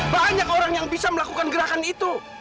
banyak orang yang bisa melakukan gerakan itu